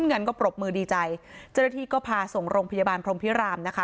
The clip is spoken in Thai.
เงินก็ปรบมือดีใจเจ้าหน้าที่ก็พาส่งโรงพยาบาลพรมพิรามนะคะ